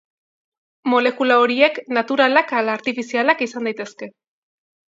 Molekula horiek naturalak ala artifizialak izan daitezke.